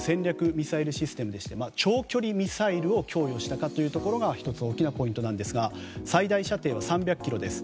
ミサイルシステムでして長距離ミサイルを供与したというところが大きなポイントですが最大射程は３００ｋｍです。